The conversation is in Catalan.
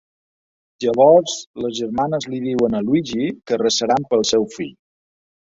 Llavors, les germanes li diuen a Luigi que resaran pel seu fill.